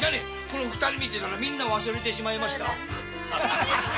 この二人を見たらみんな忘れちまいましたよ！